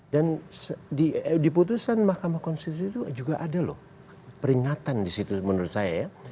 dan di putusan mahkamah konstitusi itu juga ada loh peringatan disitu menurut saya ya